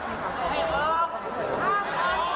ลองไปดูเหตุการณ์ความชื่อระมวลที่เกิดอะไร